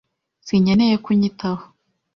Sinkeneye ko unyitaho.